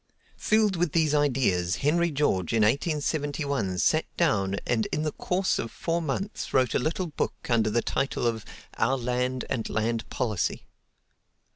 Filled with these ideas, Henry George in 1871 sat down and in the course of four months wrote a little book under title of "Our Land and Land Policy."